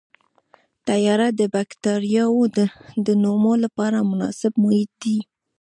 تیاره د بکټریاوو د نمو لپاره مناسب محیط دی.